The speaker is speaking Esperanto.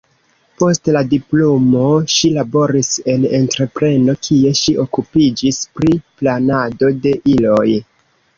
Post la diplomo ŝi laboris en entrepreno, kie ŝi okupiĝis pri planado de iloj.